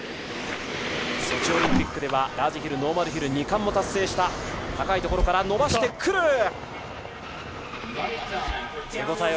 ソチオリンピックではラージヒル、ノーマルヒル２冠も達成した、高いところから伸ばしてくる！